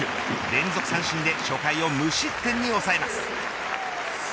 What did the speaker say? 連続三振で初回を無失点に抑えます。